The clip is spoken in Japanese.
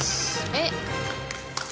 えっ。